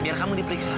biar kamu diperiksa